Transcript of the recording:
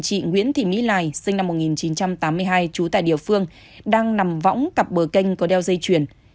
chị nguyễn thị mỹ lài sinh năm một nghìn chín trăm tám mươi hai trú tại địa phương đang nằm võng cặp bờ kênh có đeo dây chuyền